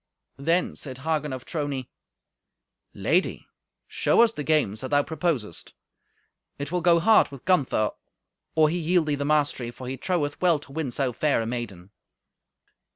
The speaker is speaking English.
Then said Hagen of Trony, "Lady, show us the games that thou proposest. It will go hard with Gunther or he yield thee the mastery, for he troweth well to win so fair a maiden."